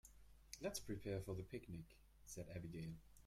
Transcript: "Let's prepare for the picnic!", said Abigail.